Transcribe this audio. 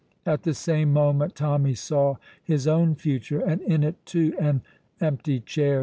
At the same moment Tommy saw his own future, and in it, too, an empty chair.